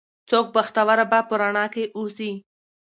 څوک بختوره به په رڼا کې اوسي